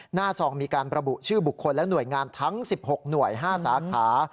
ซองมีการระบุชื่อบุคคลและหน่วยงานทั้ง๑๖หน่วย๕สาขา